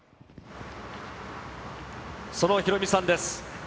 そのヒロミさんです。